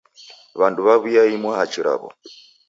W'andu w'aw'iaimwa hachi raw'o.